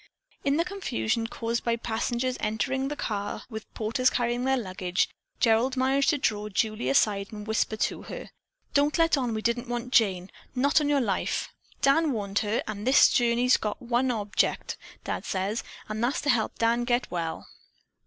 In the confusion caused by passengers entering the car with porters carrying their luggage, Gerald managed to draw Julie aside and whisper to her: "Don't let on we didn't want Jane, not on your life! Dan wanted her, and this journey's got just one object, Dad says, and that's to help Dan get well."